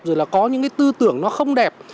rồi là có những cái tư tưởng nó không đẹp